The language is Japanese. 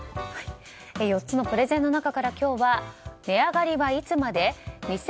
４つのプレゼンの中から今日は値上がりはいつまで？